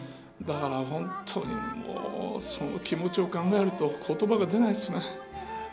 だから本当に、その気持ちを考えると言葉が出ないです。